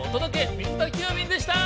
水田急便でした！